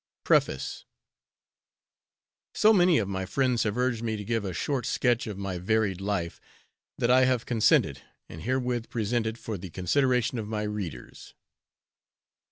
Preface. So many of my friends have urged me to give a short sketch of my varied life that I have consented, and herewith present it for the consideration of my readers.